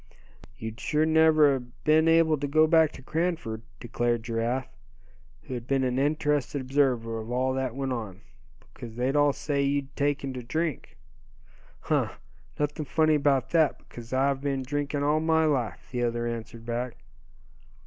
"You'd sure never a been able to go back to Cranford," declared Giraffe, who had been an interested observer of all that went on. "Because they'd all say you'd taken to drink." "Huh! nothing funny about that, because I've been drinking all my life," the other answered back.